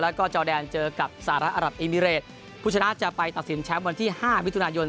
แล้วก็จอแดนเจอกับสหรัฐอรับอิมิเรตผู้ชนะจะไปตัดสินแชมป์วันที่ห้ามิถุนายน